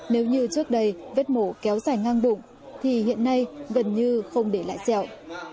nếu như trước đây vết mổ kéo dài ngang đụng thì hiện nay gần như không để lại dẹo